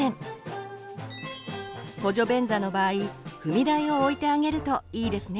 補助便座の場合踏み台を置いてあげるといいですね。